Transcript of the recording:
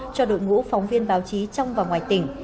cho đội ngũ phóng viên báo chí trong và ngoài tỉnh